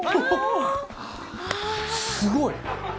すごい。